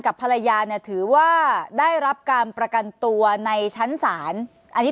ภรรยาเนี่ยถือว่าได้รับการประกันตัวในชั้นศาลอันนี้